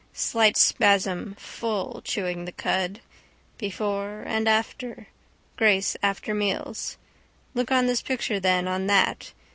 Slight spasm, full, chewing the cud. Before and after. Grace after meals. Look on this picture then on that.